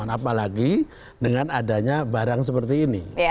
apalagi dengan adanya barang seperti ini